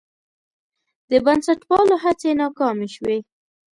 د بنسټپالو هڅې ناکامې شوې.